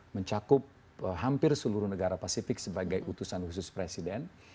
mencakup hampir seluruh negara pasifik sebagai utusan khusus presiden